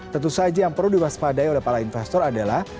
tentu saja yang perlu diwaspadai oleh para investor adalah